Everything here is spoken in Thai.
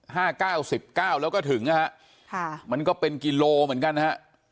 เก้าสิบเก้าแล้วก็ถึงนะฮะค่ะมันก็เป็นกิโลเหมือนกันนะฮะ